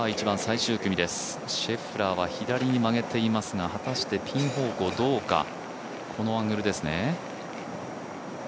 １番、最終組です、シェフラーは左に曲げていますが果たしてピン方向、どうか？